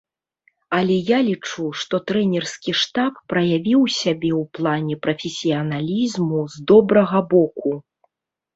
Але я лічу, што трэнерскі штаб праявіў сябе ў плане прафесіяналізму з добрага боку.